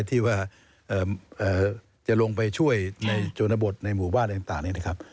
ที่ว่าจะลงไปช่วยในชนบทในหมู่บ้านอะไรต่างเนี่ยนะครับ